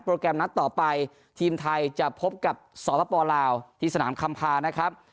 แกรมนัดต่อไปทีมไทยจะพบกับสปลาวที่สนามคำพานะครับ